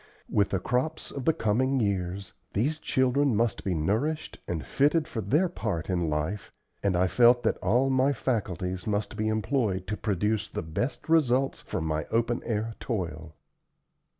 With the crops of the coming years these children must be nourished and fitted for their part in life, and I felt that all my faculties must be employed to produce the best results from my open air toil.